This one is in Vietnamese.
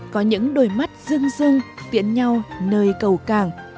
có những đôi mắt rưng rưng tiện nhau nơi cầu càng